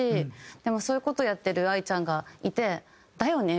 でもそういう事をやってるＡＩちゃんがいてだよね！